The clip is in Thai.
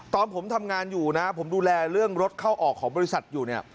ตอนผมทำงานอยู่นะผมดูแลเรื่องรถเข้าออกของบริษัทอยู่เนี่ย